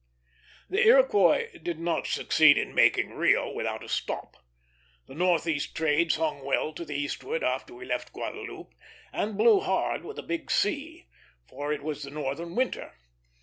The Iroquois did not succeed in making Rio without a stop. The northeast trades hung well to the eastward after we left Guadeloupe, and blew hard with a big sea; for it was the northern winter.